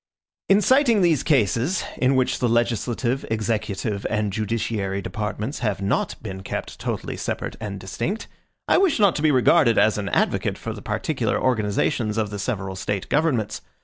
In citing these cases, in which the legislative, executive, and judiciary departments have not been kept totally separate and distinct, I wish not to be regarded as an advocate for the particular organizations of the several State governments.